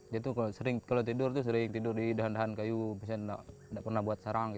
dia tuh kalau tidur sering tidur di dahan dahan kayu tidak pernah buat sarang